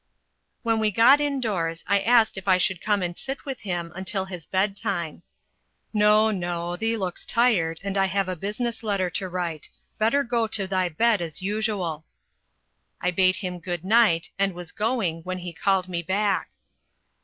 When we got in doors I asked if I should come and sit with him till his bed time. "No no; thee looks tired, and I have a business letter to write. Better go to thy bed as usual." I bade him good night, and was going, when he called me back.